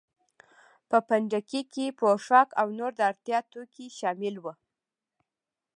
په پنډکي کې پوښاک او نور د اړتیا توکي شامل وو.